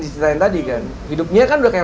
diceritain tadi kan hidupnya kan udah kayak